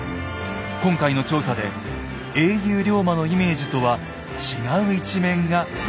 今回の調査で英雄・龍馬のイメージとは違う一面が見えてきました。